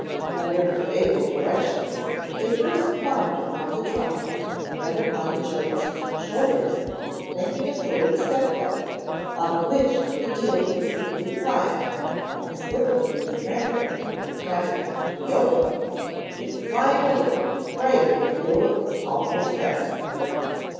Under her able direction they first climbed upon the trunk and then upon each other's shoulders, making a sort of step ladder, up which Bedelia quickly climbed, and slipping through the transom which happened to be open, took a flying leap right into the middle of Miss Palmer's bed.